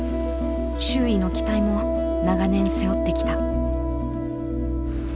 周囲の期待も長年背負ってきた。